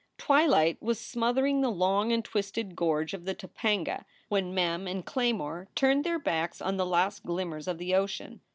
Twilight was smothering the long and twisted gorge of the Topanga when Mem and Claymore turned their backs on the last glimmers of the ocean.